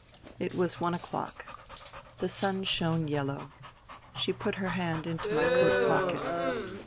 It was one o'clock. The sun shone yellow. She put her hand into my coat pocket.